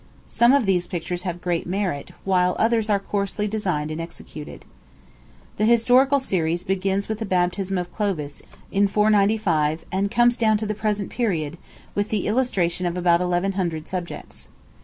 Some of these pictures have great merit, while others are coarsely designed and executed. The historical series begins with the Baptism of Clovis, in 495, and comes down to the present period, with the illustration of about eleven hundred subjects.